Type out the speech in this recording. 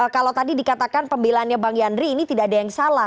kalau tadi dikatakan pembelaannya bang yandri ini tidak ada yang salah